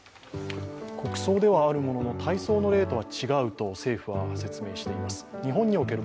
国葬ではあるものの、大喪の礼とは違うと政府は説明しています。